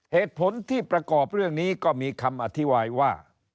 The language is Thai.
เหตุผลที่ประกอบเรื่องนี้ก็มีคำอธิบายว่า